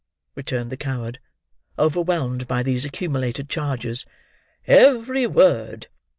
returned the coward, overwhelmed by these accumulated charges. "Every word!"